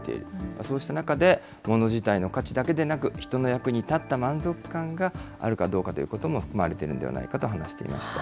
そうした中で、物自体の価値だけでなく、人の役に立った満足感があるかどうかということも含まれているんではないかと話していました。